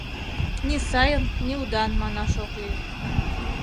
Ни сайын, ни удан манаш ок лий.